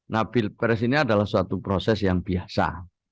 nah build press ini adalah suatu proses yang biasa